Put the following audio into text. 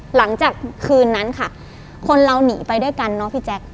หลังจากคืนนั้นค่ะคนเราหนีไปด้วยกันเนาะพี่แจ๊ค